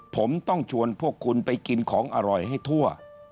ผมต้องชวนพวกคุณไปกินของอร่อยให้ทั่ว